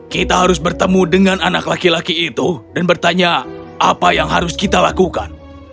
kita harus bertemu dengan anak laki laki itu dan bertanya apa yang harus kita lakukan